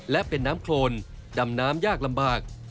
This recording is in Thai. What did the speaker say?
และเป็นน้ำโครนดำน้ำยากลำบาก